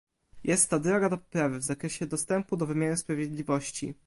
jest to droga do poprawy w zakresie dostępu do wymiaru sprawiedliwości